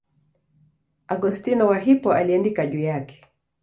Augustino wa Hippo aliandika juu yake.